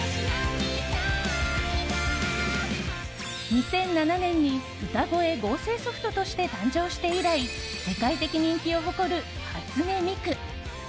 ２００７年に歌声合成ソフトとして誕生して以来世界的人気を誇る初音ミク。